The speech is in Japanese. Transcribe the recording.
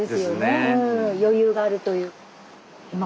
余裕があるという。